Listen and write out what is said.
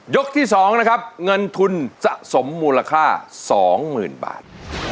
ที่๒นะครับเงินทุนสะสมมูลค่า๒๐๐๐บาท